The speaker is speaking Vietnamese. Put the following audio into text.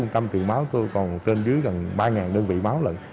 căm tiền máu tôi còn trên dưới gần ba đơn vị máu lận